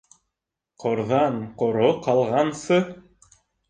Ҡорҙан ҡоро ҡалғансы